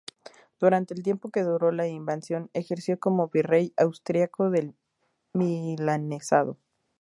Durante el tiempo que duró la invasión ejerció como virrey austriaco del Milanesado.